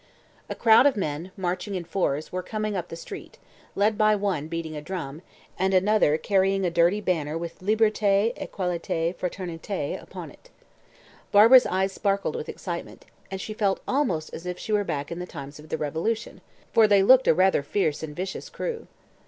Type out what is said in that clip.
A crowd of men, marching in fours, were coming up the street, led by one beating a drum, and another carrying a dirty banner with "Liberté, Equalité, Fraternité" upon it. Barbara's eyes sparkled with excitement, and she felt almost as if she were back in the times of the Revolution, for they looked rather a fierce and vicious crew.